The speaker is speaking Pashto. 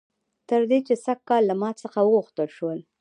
تر دې چې سږ کال له ما څخه وغوښتل شول